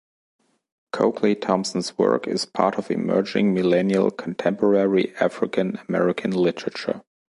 Coakley-Thompson's work is part of emerging millennial contemporary African-American literature.